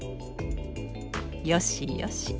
「よしよし。